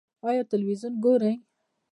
ایا تلویزیون ګورئ؟